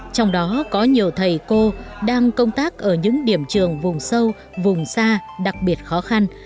trong đó có nhiều thầy cô đang công tác ở những điểm trường vùng sâu vùng xa đặc biệt khó khăn